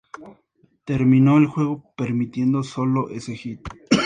Terminó el juego permitiendo sólo ese hit.